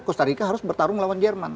costa rica harus bertarung melawan jerman